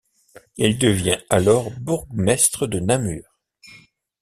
Il devient alors bourgmestre de Namur.